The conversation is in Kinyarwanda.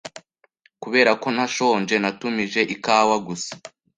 Kubera ko ntashonje, natumije ikawa gusa.